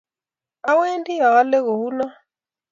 awendi aale kounoo